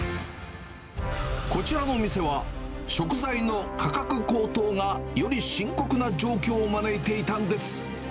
こちらの店は、食材の価格高騰がより深刻な状況を招いていたんです。